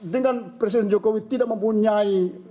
dengan presiden jokowi tidak mempunyai